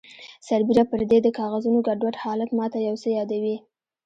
سربیره پردې د کاغذونو ګډوډ حالت ماته یو څه یادوي